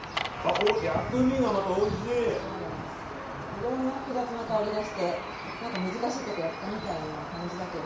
いろんな複雑な香りがして何か難しいことやったみたいな感じだけど。